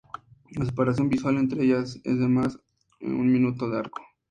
La separación visual entre ellas es de más de un minuto de arco.